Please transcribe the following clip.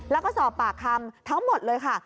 แล้วก็สอบปากคำทั้งหมดเลยค่ะ